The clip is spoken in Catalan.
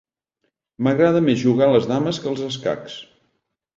M'agrada més jugar a les dames que als escacs